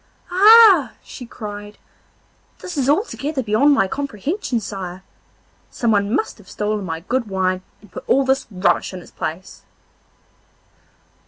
'Ah!' she cried, 'this is altogether beyond my comprehension, sire. Someone must have stolen my good wine and put all this rubbish in its place.